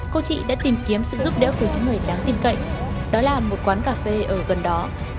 cô chị đã tìm kiếm sự giúp đỡ của những người đáng tin cậy đó là một quán cà phê ở gần đó